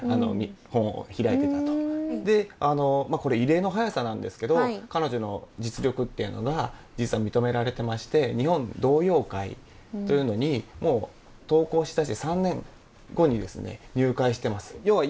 でこれ異例の早さなんですけど彼女の実力っていうのが実は認められてまして日本童謡会というのにもう投稿しだして３年後にですね入会してます。